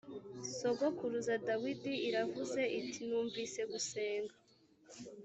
sogokuruza dawidi iravuze iti numvise gusenga